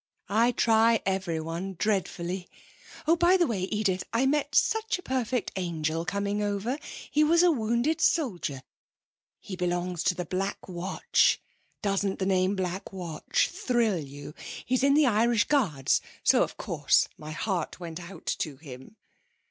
I try everyone dreadfully. Oh, by the way, Edith, I met such a perfect angel coming over. He was a wounded soldier. He belongs to the Black Watch. Doesn't the name Black Watch thrill you? He's in the Irish Guards, so, of course, my heart went out to him.'